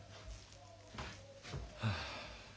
はあ。